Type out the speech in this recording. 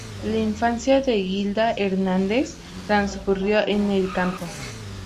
La infancia de Gilda Hernández transcurrió en el campo.